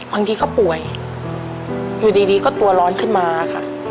บางทีก็ป่วยอยู่ดีก็ตัวร้อนขึ้นมาค่ะ